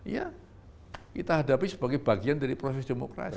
ya kita hadapi sebagai bagian dari proses demokrasi